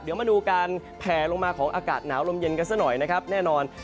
เดี๋ยวมาดูการแผ่ลงมาของอากาศหนาวลมเย็นกันสักหน่อยนะครับแน่นอน